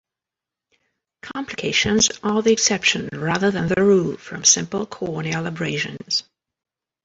Complications are the exception rather than the rule from simple corneal abrasions.